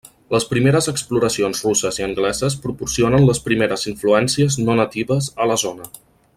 Les primeres exploracions russes i angleses proporcionen les primeres influències no natives a la zona.